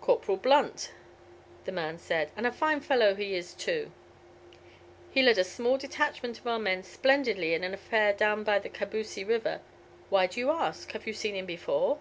"Corporal Blunt," the man said; "and a fine fellow he is, too. He led a small detachment of our men splendidly in an affair down by the Kabousie River. Why do you ask? Have you ever seen him before?"